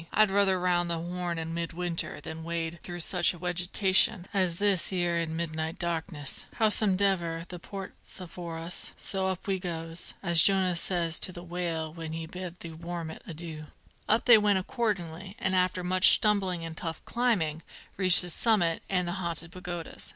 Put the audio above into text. I'd ruther round the Horn in mid winter than wade through such wegetation as this 'ere in midnight darkness! Howsomedever, the port's afore us, so up we goes, as Jonah says to the whale when he bid the warmint adoo." Up they went accordingly, and after much stumbling and tough climbing, reached the summit and the Haunted Pagodas.